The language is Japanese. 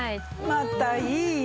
またいい色。